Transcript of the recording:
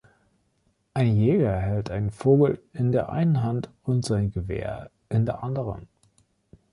Ein Jäger hält einen Vogel in der einen Hand und sein Gewehr in der anderen.